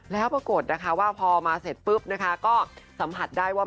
แล้วปรากฏนะคะว่าพอมาเสร็จปุ๊บนะคะก็สัมผัสได้ว่า